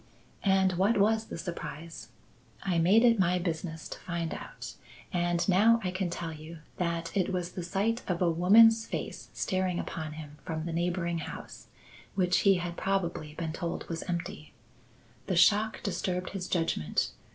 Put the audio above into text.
And what was the surprise? I made it my business to find out, and now I can tell you that it was the sight of a woman's face staring upon him from the neighbouring house which he had probably been told was empty. The shock disturbed his judgment.